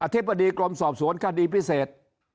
ธิบดีกรมสอบสวนคดีพิเศษ